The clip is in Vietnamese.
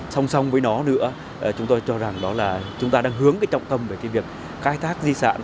xong xong với nó nữa chúng ta đang hướng trọng tâm về việc cài thác di sản